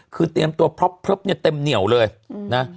คือเตรียมตัวพล็อปเนี่ยเต็มเหนียวเลยนะ